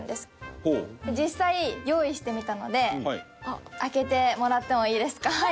実際用意してみたので開けてもらってもいいですか？